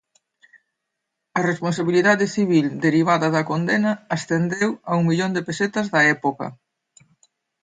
A responsabilidade civil derivada da condena ascendeu a un millón de pesetas da época.